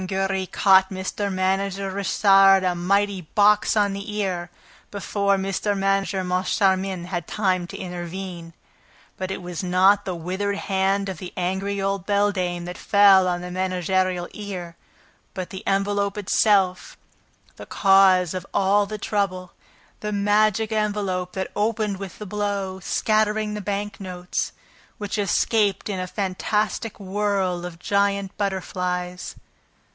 Giry caught Mr. Manager Richard a mighty box on the ear, before Mr. Manager Moncharmin had time to intervene. But it was not the withered hand of the angry old beldame that fell on the managerial ear, but the envelope itself, the cause of all the trouble, the magic envelope that opened with the blow, scattering the bank notes, which escaped in a fantastic whirl of giant butterflies.